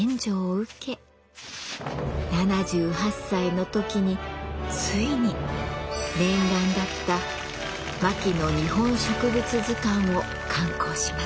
７８歳の時についに念願だった「牧野日本植物図鑑」を刊行します。